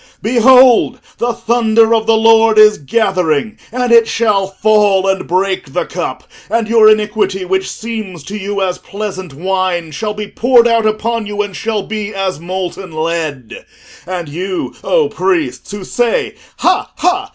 Behold, the thunder of the Lord is gathering, and it shall fall and break the cup, and your iniquity, which seems to you as pleasant wine, shall be poured out upon you, and shall be as molten lead. And you, O priests, who say, Ha, ha!